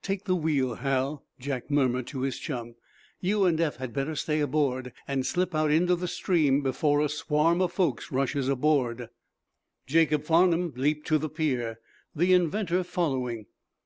"Take the wheel, Hal," Jack murmured to his chum. "You and Eph had better stay aboard, and slip out into the stream before a swarm of folks rushes aboard." Jacob Farnum leaped to the pier, the inventor following.